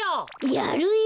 やるよ。